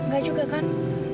gak juga kan